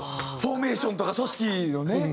フォーメーションとか組織のね